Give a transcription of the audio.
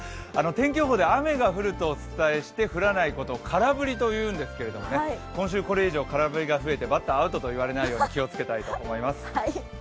天気予報で雨が降るとお伝えして降らないことを空振りというんですけれども今週これ以上空振りが増えてバッターアウトと言われないように気をつけたいと思います。